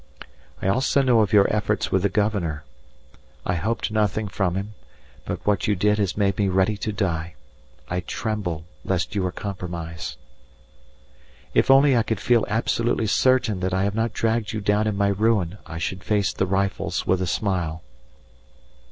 I also know of your efforts with the Governor. I hoped nothing from him, but what you did has made me ready to die; I tremble lest you are compromised. If only I could feel absolutely certain that I have not dragged you down in my ruin I should face the rifles with a smile.